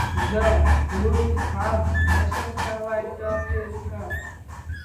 زه اوس هم نشم کولی دا هیر کړم